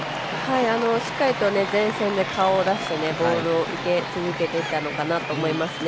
しっかりと前線で顔を出してボールを受け続けていたのかなと思いますね。